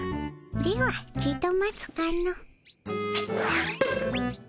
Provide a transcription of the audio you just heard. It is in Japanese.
ではちと待つかの。